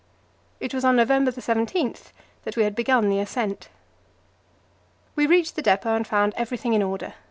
It was on November 17 that we had begun the ascent. We reached the depot, and found everything in order.